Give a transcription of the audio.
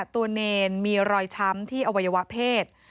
เนรมีรอยช้ำที่อวัยวะเพศ